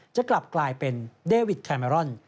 จะกลับกลายเป็นเดวิดแคเมรอน